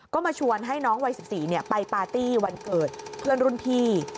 ก็มาชวนให้น้องวัย๑๔ไปปาร์ตี้วันเกิดเพื่อนรุ่นพี่